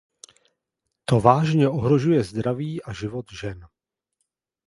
To vážně ohrožuje zdraví a život žen.